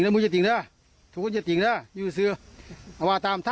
แรงขึ้นอีกแรงขึ้นอีกเร็วขึ้นเร็วขึ้นเร็วกว่านี้